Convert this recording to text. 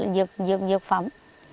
vườn dược phẩm